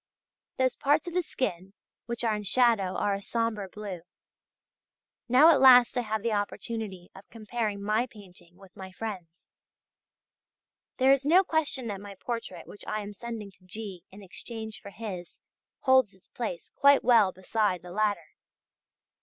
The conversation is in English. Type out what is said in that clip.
Those parts of the skin which are in shadow are a sombre blue. Now at last I have the opportunity of comparing my painting with my friends'. There is no question that my portrait which I am sending to G. in exchange for his, holds its place quite well beside the latter.